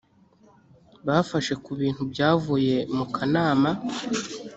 bafashe ku bintu byavuye mu kanama